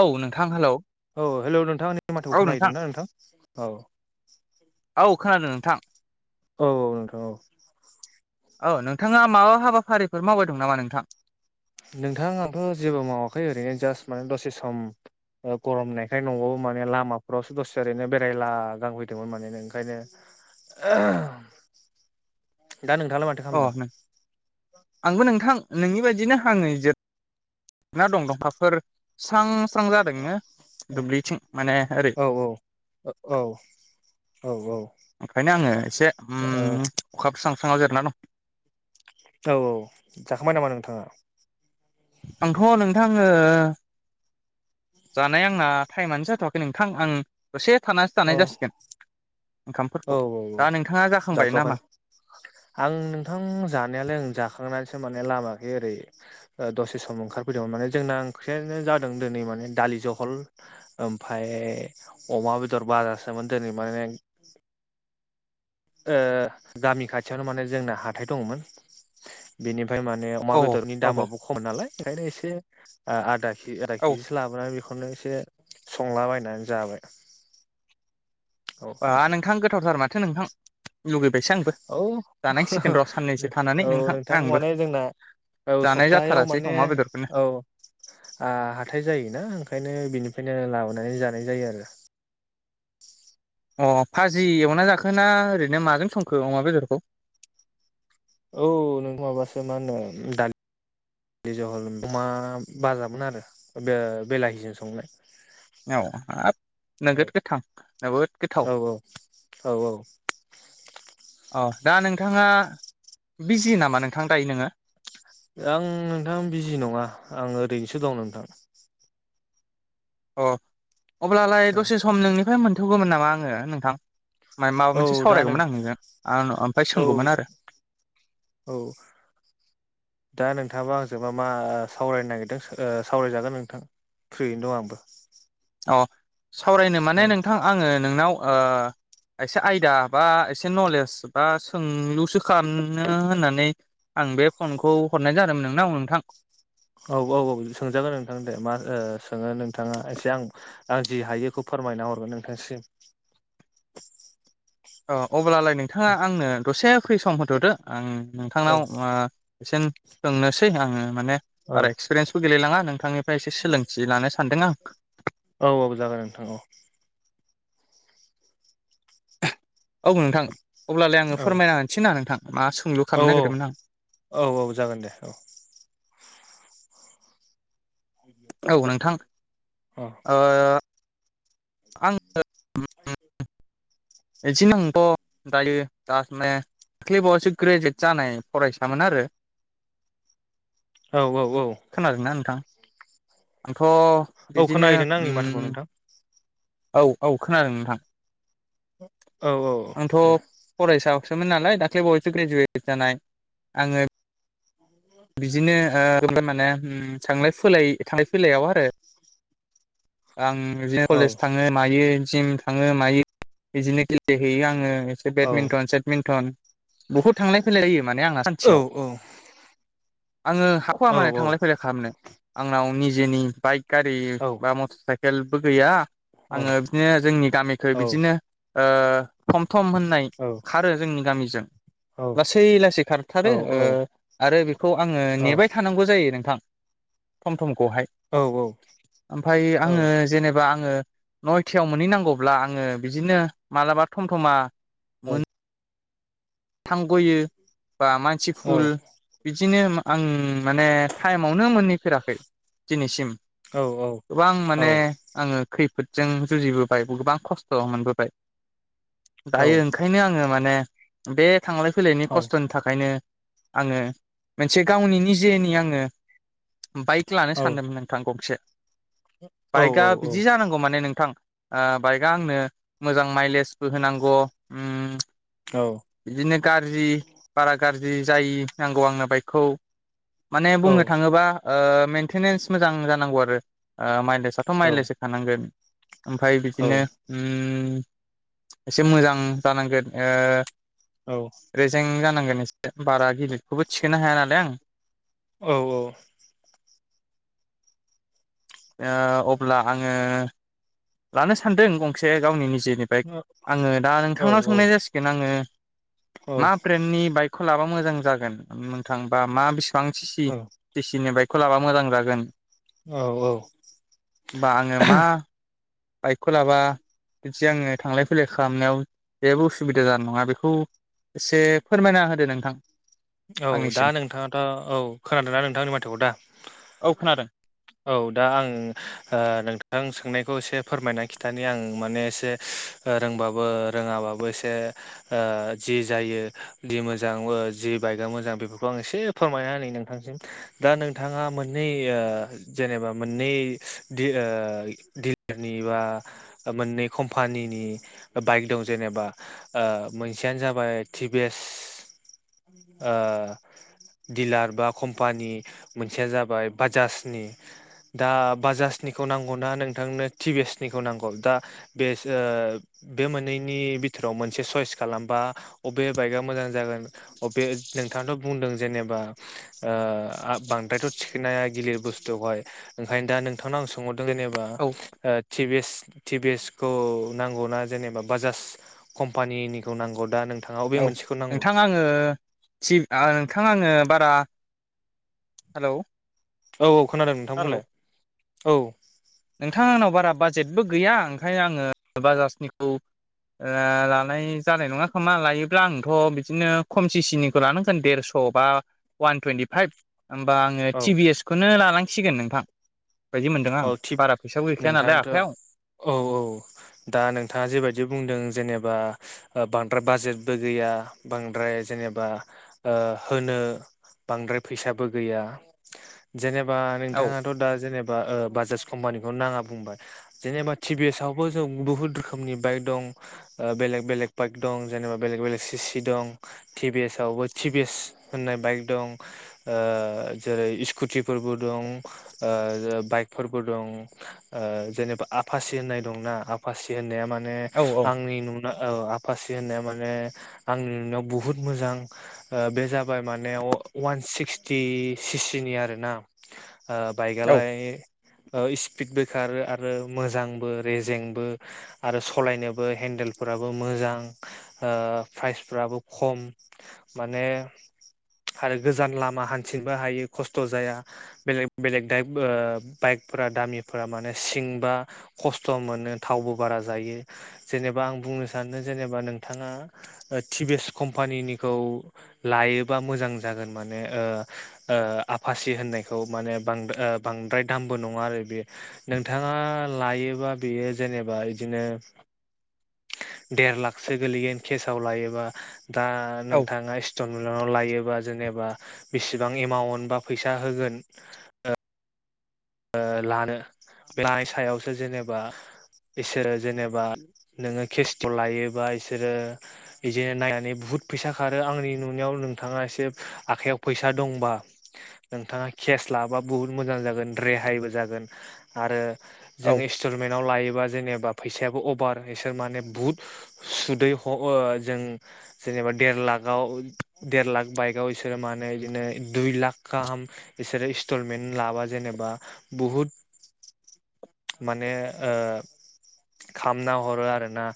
औ नोंथां hello. Hello नोंथां आंनि माथोखौ खोनाहैदोंना नोंथां औ। औ खोनादों नोंथां। औ औ नोंथां औ। औ नोंथाङा माबा हाबाफारिफोर मावबाय दं नामा नोंथां? नोंथां आंथ जेबो मावाखै ओरैनो जास्ट माने दसे सम ओ गरमनायखाय नवाव माने लामाफोरावसो दसे ओरैनो बेरायला गांफैदोंमोन माने ओंखायनो [unintelligible] [inaudible] दा नोंथाङालाय माथो अ खालामदों नों‌ आंबो नोंथां नोंनि बायदिनो आङो जोब ना दं दंफाफोर स्रां स्रां जादोंनो औ दुब्लिथिं माने ओरै औ औ औ औ ओंखायनो आङो एसे उम अखास्रां स्राङाव जिरायना दं। औ औ। जाखांबाय नामा नोंथाङा? आंथ' नोंथां ओ जानाया आंना थाइमानो जाथ'वाखै नोंथां आं दसे थानासो औ जानाय जासिगोन। ओंखामफोरखौ औ औ दा औ नोंथाङा जाखांबाय जाथ'वाखै नामा र'। आं नोंथां जानायालाय ओं जाखांना सो माने लामाखै ओरै ओ दसे सम ओंखारबोदोंमोन माने जोंना ओंख्रियानो जादों दिनै माने दा लि जहल ओमफाय अमा बेदर बाजासोमोन दोनै माने [inaudible] ओह गामि खाथियावनो माने जोंना हाथाय दङ'मोन। बेनि फाय माने अमा औ बेदरनि औ औ दामाबो खम नालाय ओंखायनो एसे ओ‌ आदा कि आदा औ किजिसो लाबोनानै बे खौनो एसे संलाबायनानै जाबाय। आ नोंथां गोथावथार माथो नोंथां। लुगैबायसो आंबो औ जानांसिगोन [unintelligible] र' साननैसो थानानै औ नोंथां आंबो माने जोंना औ जानाय सप्तायाव जाथारासै माने अमा बेदरखौनो औ आ‌ हाथाय जायो ना ओंखायनो बिनि फायनो लाबोनानै जानाय जायो आरो अ भाजि एवना जाखो ना ओरैनो माजों संखो अमा बेदरखौ? औ नोंगौ माबासो मा होनो दा लि जहल अमा बाजामोन आरो बे बेलाहिजों संनाय। औ हाब औ नोगोद गोथां नोगोद गोथाव। औ औ औ। अह दा नोंथाङा बिजि नामा नोंथां दायो नोङो? आं नोंथां बिजि नङा आं ओरैनोसो दं नोंथां। अ अब्लालाय दसे सम नोंनिफाय मोनथ'गौमोन नामा आङो नोंथां मा‌य माबा औ मोनसे दा नों सावरायगौमोन आं नोंजों आं ओमफाय औ सोंगौमोन आरो औ दा नोंथाङाबा आंजोंबा मा सावरायनो नागिरदों ओ सावरायजागोन नोंथां फ्रियैनो दं आंबो। अ सावरायनो औ माने नोंथां आङो नोंनाव ओ एसे आयदा बा एसे नलेज बा सोंलुसो खालामनो होननानै आं बे फनखौ हरनाय जादोंमोन नोंनाव नोंथां। औ औ औ सोंजागोन नोंथां दे मा ओ सोङो नोंथाङा एसे आं आं जि हायो बेखौ फोर मायना हरगोन नोंथांसिम अ अब्लालाय नोंथाङा आंनो दसे फ्रि सम होथ'दो आं औ नोंथांनाव आ एसेन सोंनोसै आङो माने औ बारा एक्सपिरियेन्सबो गैलायलाङा नोंथांनिफ्राय एसे सोलोंथि लानो सानदों आं। औ औ जागोन नोंथां औ। औ नोंथां अब्लालाय आङो औ फोरमायना होनिसै ना नोंथां मा सोंलु औ खामनो नागिरदोंमोन आं। औ औ जागोन दे औ। औ नोंथां। अह। ओ आं [unintelligible] एसे नांथ दायो [unintelligible] दाख्लैबावैसो ग्रेजुवेट जानाय फरायसामोन आरो औ औ औ खोनादों ना नोंथां? आंथ' औ बिदिनो खोनाहैदोंना आंनि माथोखौ उम नोंथां औ औ खोनादों नोंथां। औ औ आंथ' दे फरायसा सोमोन नालाय दाख्लै बावयैसो ग्रेजुवेट जानाय आङो बिदिनो ओ [unintelligible] माने उम थांलाय फोलाय थांलाय फैलायाव आरो आं बिदिनो औ कलेज थाङो मायो जिम थाङो मायो बिदिनो गेलेहैयो आङो। सेट औ बेटमिनटन सेटमिनटन बहुत थांलाय फैलाय जायो माने आंना औ सानसेयाव। आङो हाखुवा माने औ औ थांलाय फैलाय खालामनो आंनाव निजेनि बाइक गारि बा मटर साइकेल। साइकेलबो गैया आङो बिदिनो जोंनि गामिखै बिदिनो थम थम होननाय खारो जोंनि गामिजों लासै लासै खारथारो ओ आरो बेखौ आङो नेबाय थानांगौ जायो नोंथां। हमगहाय ओमफ्रयआङो जेनेब आङो नयथायाव मोनहैनांगौब्ला आङो बिदिनो मालाबा थमथमा औ थांगयो बा मानसि फुल बि बिदिनो आं माने टाइमावनो मोननैफेराखै दिनैसिम। गोबां माने आङो खैफोदजों जुजिबोबाय गोबां खस्थ' मोनबोबाय। दायो ओंखायनो आङो माने बे थांलाय फैलायनि खस्थ'नि थाखायनो आङो मोनसे गावनि निजेनि आङो बाइक लानो सानदोंमोन नोंथां गंसे बाइकआ बिदि जानांगौ माने नोंथां। बाइकआ आंनो मोजां माइलेजबो होनांगौ ओम बिदिनो गाज्रि बारा गाज्रि जायो नांगौ आंनो बाइकखौ। माने बुंनो थाङोबाओ मेेनटेनेन्स मोजां जानांगौ आरो माइ फसाथ' माइलेस होखानांगोन ओमफफ्राय बिदिनो ओम एसे मोजां जानांगोन ओ रेजें जानांगोन एस बारा गिदिरखौबो थिखोनो हाया नालाय आं। ओ अब्ला आङो लानो सानदों गंसे गावनि नि जेनि बायखे आङो दा नोंथांनाव संनाय जासिगोन आङो मा ब्रेन्डनि बाइकखौ लाबा मोज मोजां जागोन नोंथांबा मा बिसिबांसि सिसिनि बाइकखौ लाबा मोजां जागोन। औ बा आङो मा औ। बाइकखौ लाबा बि आङो थांलाय फैलाय खालामनायाव जेबो उसुबिदा जानाय नङा बेखौ एसे फोरमायना होदो नोंथां। औ दा आंनिसिम नोंथाङाथ' औ खोनादों नना नोंथांनि माथोखौ दा औ खोनादों औ दा आं ओ नोंथां सोंनायखौ एसे फोरमायना खिथानि आं माने एसे रोंबाबो रोङाबाबो एसे ओ जि जायो जि मोजां जि बे बाइकआ मोजां बेफोरखौ आं एसे फोरमायना नै नोंथांसिम दा नोंथाङा मोननै ओ जेनेबा मोननै दिलारनि बा मोननै कम्पानि नि बाइक दं जेनेबा ओ मोनसेयनो जाबाय टि भि एस ओ दिलार बा कम्पानि मोनसेया जाबाय बाजाजनि दा बाजाजनिखौ नांगौना नोंथांनो टिभिएसनिखौ नांगौ दा बेसो बे मोननैनि बिथोराव मोनसे सयस खालामबा अबे बाइकआ मोजां जागोन अबे नोंथाङाथ' बुंदों जेनेबा बांद्रायथ' थिखनाया गिलिर बुस थुवहाय ओंखायनो दा नोंथांनाव आं सोंहरदों जेनेबा औ टिभि एस टिभिएस खौ नांगौनाा जेनेबा बाजाज कम्पानिनिखौ नांगौ दा नों औ नोंथां आङो सिब नोंथां आङो बारा हेलौ औ औ खोनादों हेलौ नोंथांमोनलाय औ। नोंथां आंनाव बारा बाजेटबो गैया ओंखायनो आङो बाजाजनिखौ ओ लानाय जानाय नङा खोमा लायोब्ला आंथ' बिदिनो खमसि सिनिखौ लानांगोन देरस' बा वान टुवेन्टि फाइभ होमबा आङो औ टिभिएस खौनो लांनांसिगोन नोंथां बायदि मोनदों आं। बारा फैसाबो गैखाया नालाय आखाइयाव। औ-औ दा नोंथाङा जेबायदि बुंदों जेनेबा बांद्राय बाजेटबो गैया बांद्राय जेनेबा ओ होनो बांद्राय फैसाबो गैया जेनेबा औ नोंथाङाथ' दा जेने बा ओ बाजाज कम्पानिखौ नाङा बुंबाय जेनेबा टिभिएसआवबो जों बुहुत रोखोमनि बाइक दं। ओ बेलेग-बेलेग बाइक दं जेनेबा बेलेग-बेलेग सिसि दं टिभिएसआवबो टिभिएस होननाय बाइक दं ओ जेरै इस्कुटिफोरबो दं ओ बाइकफोरबो दं ओ जेनेबा आफासि होननाय दंना आफासि होननाया मा ने औ औ आंनि नु औ आफासि होननाया माने आंनि नुनायाव बुहुत मोजां ओ बे जाबाय माने अ वान सिक्सटि सिसिनि आरोना ओ औ बाइकआलाय इस्पिड ब्रेकार आरो मोजांबो रेजेंबो आरो सालायनोबो हे हेन्देलफोराबो मोजां ओ प्राइसफ्राबो खम माने आरो गोजान लामा हान्थिनबो हायो खस्थ' जाया बेलेग-बेलेग दाइब ओ बाइकफोरा दामिफोरा माने सिंबा खस्थ' मोनो थावबो बारा जायो जेनेबा बा आं बुनो सानो जेनेबा नोंथांङा टिभिएस कम्पानिनिखौ लायोबा मोजां जागोन माने ओ-ओ आफासि होनायखौ माने बां ओ बांद्राय दामबो नङा आरो बेयो नोंथाङा लायोबा बेयो जेनेबा इदिनो [unintelligible] देर लाखसो गोलैगोन केसाव लायोबा दा औ नोंथाङा स्टल मिलाव लायो बा जेनेबा बिसिबां एमाउन्ट बा फैसा होगोन ओ लानो लानाय सायावसो जेनेबा इसोरो जेनेबा नोङो केस्थ' लायोबा इसोरो बिदिनो नायनानै बुहुत - बुहुत फैसा खारो आंनि नुनायाव नोंथाङा एसे आखाइयाव फैसा दंबा नोंथाङा खे स लाबाय बहुत मोजां‌जागोन रेहायबो जागोन आरो जों‌ औ इनस्टमेन्ट आव लायो बा जेनेबा फैसायाबो अभार बिसोर माने बुहुत सुदै अ ओं जों जेनेबा देर लाख आव देर लाख बाइकआव बिसोरो माने बिदिनो दुइ लाख गाहाम इसो रो इनस्टलमेन्ट लाबा जेनेबा बुहुत माने ओ खालामामना हरो आरोना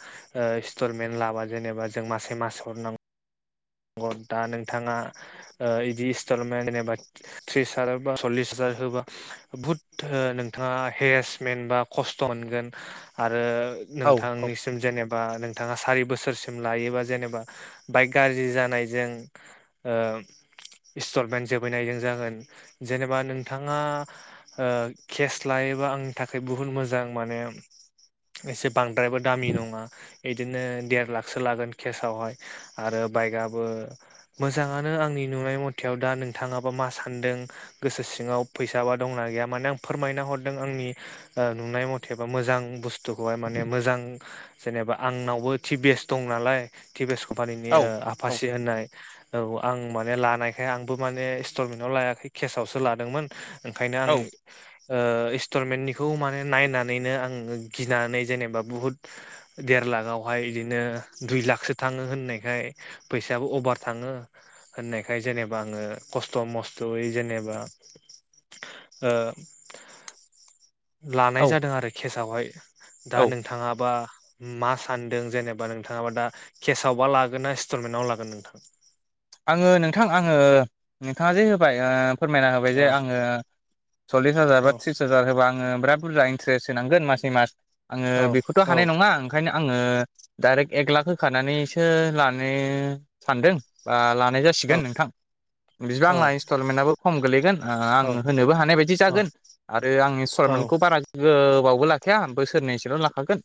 ओ इनस्टलमेन्ट लाबा जेनेबा जों मासै मास हरनां [unintelligible] दा नोंथाङा बिदि इन्स्टलमेन्ट जेनेबा त्रिस हाजार बा सल्लिस हाजार होबा बुहुथ नोंथाङा हेरेसमेन्ट बा खस्थ' मोनगोन आरो औ औ नोंथांनिसिम जेनेबा नोंथाङा सारि बोसोरसिम लायोबा जेनेबा बाइक गारि जि जानायजों ओ इनस्टलमेन्ट जोबैनायजों जागोन जेनेबा नोंथाङा केस ओ लाय एबा आंनि थाखाय बुहुत मोजां माने एसे बांद्रायबो दामि नङा बिदिनो देर लाखसो लागोन केसआवहाय आरो बाइकआबो मोजाङानो आंनि नुनाय मथेयाव दा नोंथाङाबा मा सानदों गोसो सिङाव फैसा बा दंना गैया माने आं फोरमायना हरदों आंनि नुनाय मथेबा मोजां बुस्थु हआय माने मोजां जेनेबा आंनावबो थि बेस्ट दं नालाय टिभिएस कम्पानिनि औ औ आफासि होननाय औ आं माने लानायखाय आंबो माने इनस्टलमेनाव लायाखै केस आवसो लादोंमोन। ओंखायनो आंनि औ ओ इस्टलमेन्टनिखौ माने नायनानैनो आं गिनानै जेनेबा बुहुत देद लागावहाय इदिनो दुइ लाखसो थाङो होननायखाय फैसायाबो अभार थाङो होननायखाय जेनेबा आङो खस्थ' मस्थ'यै जेनेबा [unintelligible] ओ लानाय जादों आरो खेसावहाय दा औ नोंथाङाबा मा सानदों जेनेबा नोंथाङाबा दा खेसावबा लागोन ना स्टलमेन्टनाव लागोन नोंथां आङो नोंथां आङो नोंथाङा जे होबाय फोरमायना होबाय जे औ आङो सल्लिस हाजार बा औ थ्रिस हाजार होबा आङो बिराद बुरजा इन्ट्रेस्ट होनांगोन मासै मास आङो औ बेखौथ' हानाय नङा ओंखायनो आङो डाइरेक्ट एक लाख होखानानैसो लानो सानदों बा ला औ जासिगोन नोंथां बिदिबा आंना इन्स्टलमेन्टआबो खम गोलैगोन औ आं होनोबो हानाय बायदि औ जागोन आरो आंनि [unintelligible] [unintelligible] बारा गोबाव लाखाया बोसोरनैसोल' लाखागोन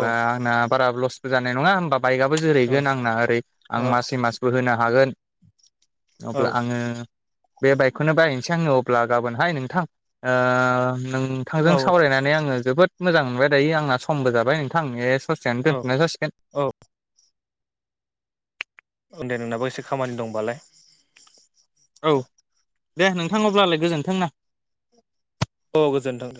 औ आंना बारा लसबो जानाय नङा होमबा बाइकआबो जोरैगोन आंना ओरै आं औ मासै मासबो होनो हागोन अब्ला आङो बे बाइकखौनो बायसै आङो अब्ला गाबोनहाय नोंथां ओ नोंथांजों औ सावरायनानै आङो जोबोद मोजां मोनबाय दायो आंना समबो जाबाय नोंथां खसायानो औ दोनथ'नाय जासिगोन औ दे नोंनाबो एसे खामानि दंबालाय औ दे नोंथां अब्लालाय गोजोन्थों ना औ गोजोनथोन